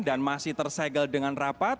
masih tersegel dengan rapat